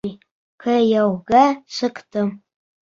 Кейәүгә сыҡтым.